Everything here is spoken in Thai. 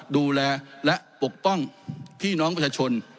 ดูแลและปกป้องพี่น้องประชาชน